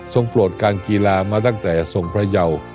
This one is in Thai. โปรดการกีฬามาตั้งแต่ทรงพระเยา